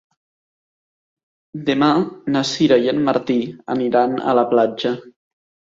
Demà na Sira i en Martí aniran a la platja.